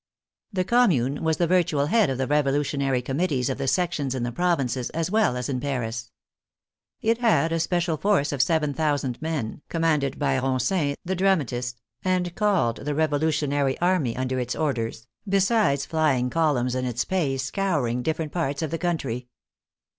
The Commune was the virtual head of the revolution ary committees of the sections in the provinces as well as in Paris. It had a special force of 7,000 men, commanded by Ronsin, the dramatist, and called the " Revolutionary Army," under its orders, besides flying columns in its THE DICTATORSHIP OF THE COMMUNE 73 pay scouring different parts of the country.